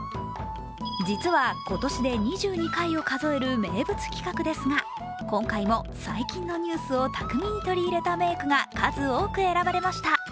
実は、今年で２２回を数える名物企画ですが今回も最近のニュースを巧みに取り入れた名句が数多く選ばれました。